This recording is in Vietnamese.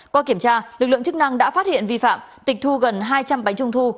qua kiểm tra lực lượng chức năng đã phát hiện vi phạm tịch thu gần hai trăm linh bánh trung thu